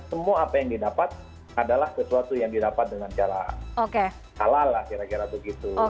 semua apa yang didapat adalah sesuatu yang didapat dengan cara halal lah kira kira begitu